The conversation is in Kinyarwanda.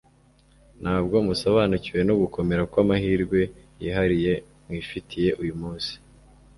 Ntabwo musobanukiwe no gukomera kw'amahirwe yihariye mwifitiye uyu munsi,